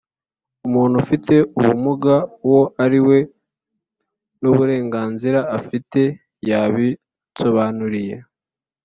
umuntu ufite ubumuga uwo ari we n'uburenganzira afite. yabinsobanuriye